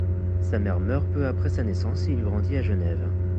Sa mère meurt peu après sa naissance et il grandit à Genève.